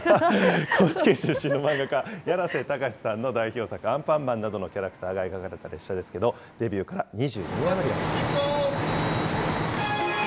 高知県出身の漫画家、やなせたかしさんの代表作、アンパンマンなどのキャラクターが描かれた列車ですけど、デビューから２２年余りがたちました。